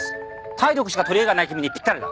体力しか取りえがない君にぴったりだ。